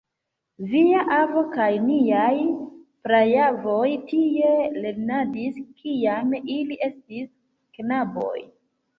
Via avo kaj niaj praavoj tie lernadis, kiam ili estis knaboj.